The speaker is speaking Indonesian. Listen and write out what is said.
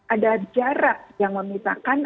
ada jarak yang memisahkan